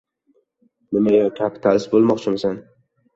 — Nima, yo, kapitalist bo‘lmoqchimisan?